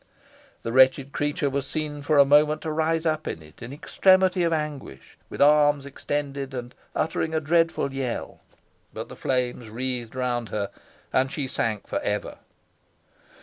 The wretched creature was seen for a moment to rise up in it in extremity of anguish, with arms extended, and uttering a dreadful yell, but the flames wreathed round her, and she sank for ever.